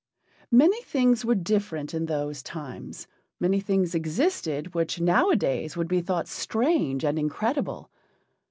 Many things were different in those times: many things existed which nowadays would be thought strange and incredible.